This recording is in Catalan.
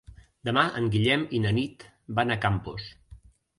Demà en Guillem i na Nit van a Campos.